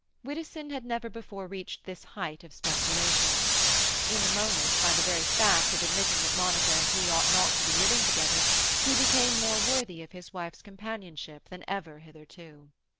Widdowson had never before reached this height of speculation. In the moment, by the very fact, of admitting that Monica and he ought not to be living together, he became more worthy of his wife's companionship than ever hitherto.